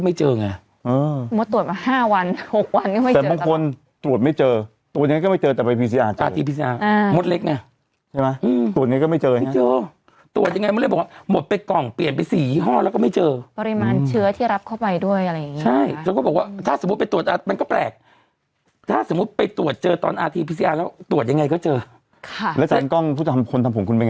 แล้วก็ยังมีเลขหางขึ้นบินที่วันนายกรุธนั่งไปเนี่ยเลขหางขึ้นบิน